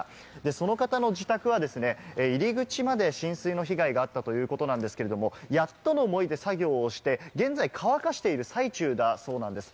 その方の自宅は入り口まで浸水の被害があったということなんですけれども、やっとの思いで作業をして現在、乾かしている最中だそうなんです。